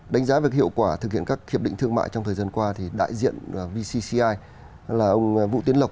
đánh giá về hiệu quả thực hiện các hiệp định thương mại trong thời gian qua thì đại diện vcci là ông vũ tiến lộc